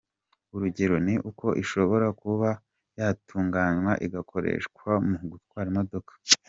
Urugero ni uko ishobora kuba yatunganywa igakoreshwa mu gutwara imodoka.